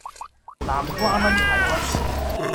南瓜炆排骨